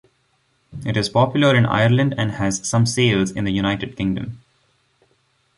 It is popular in Ireland and has some sales in the United Kingdom.